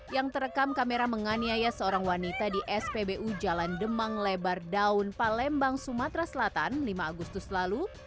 yang terekam kamera menganiaya seorang wanita di spbu jalan demang lebar daun palembang sumatera selatan lima agustus lalu